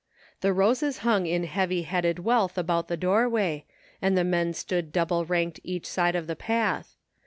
The roses htmg in heavy headed wealth about the door way, and the men stood double ranked each side of the path.